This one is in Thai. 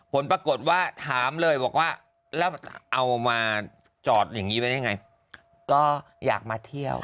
ผลปรากฏว่าถามเลยบอกว่าแล้วเอามาจอดอย่างนี้ไว้ได้ไงก็อยากมาเที่ยว